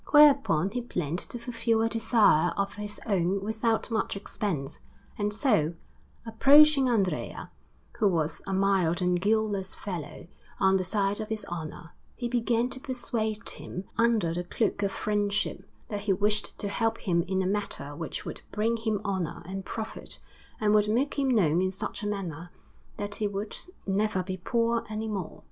Whereupon he planned to fulfil a desire of his own without much expense; and so, approaching Andrea, who was a mild and guileless fellow, on the side of his honour, he began to persuade him under the cloak of friendship that he wished to help him in a matter which would bring him honour and profit and would make him known in such a manner, that he would never be poor any more.